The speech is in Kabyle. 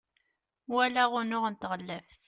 walaɣ unuɣ n tɣellaft